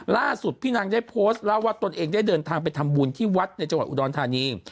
ล่าสุดพี่นางได้โพสต์เล่าว่าตนเองได้เดินทางไปทำบุญที่วัดในจังหวัดอุดรธานี